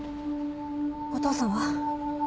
お父さんは？